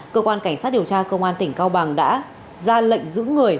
cơ quan cảnh sát điều tra công an tỉnh cao bằng đã ra lệnh giữ người